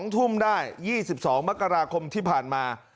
๒ทุ่มได้๒๒มกราคมที่ผ่านมา